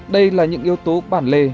đây là những yếu tố bản lề